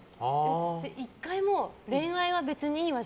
１回も恋愛は別にいいわ